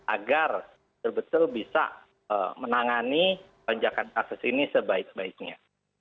agar betul betul bisa menangani penjakan kasus ini sebaik baiknya